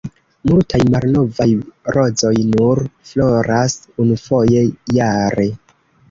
Multaj „malnovaj rozoj“ nur floras unufoje jare.